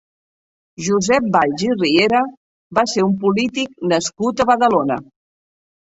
Josep Valls i Riera va ser un polític nascut a Badalona.